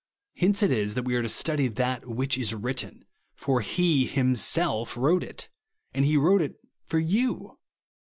Hence it is that we are to study that " which is written ;" for He himself wrote it ; and he wrote it foi you.